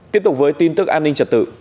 tiếp tục với tin tức an ninh trật tự